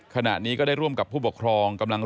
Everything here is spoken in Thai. ขณะนี้ก็ได้ร่วมกับผู้ปกครอง